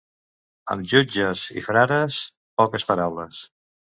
Amb jutges i frares, poques paraules.